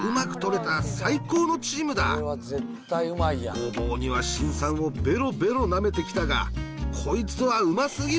ごぼうには辛酸をベロベロなめてきたがこいつはうますぎる！